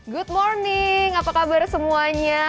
good morning apa kabar semuanya